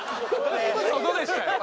だいぶ外でしたよ。